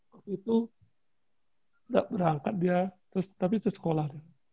waktu itu enggak berangkat dia tapi terus sekolah